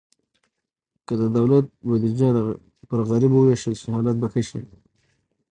که د دولت بودیجه پر غریبو ووېشل شي، حالت به ښه شي.